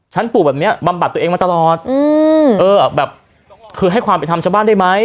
ปู่แบบเนี้ยบำบัดตัวเองมาตลอดอืมเออแบบคือให้ความเป็นธรรมชาวบ้านได้ไหม